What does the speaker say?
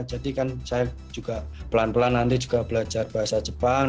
jadi kan saya juga pelan pelan nanti juga belajar bahasa jepang